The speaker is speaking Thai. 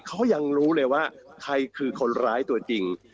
เขายังรู้เลยว่าใครคือคนร้ายตัวจริง